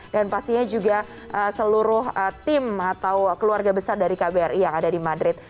dan pastinya juga seluruh tim atau keluarga besar dari kbri yang ada di madrid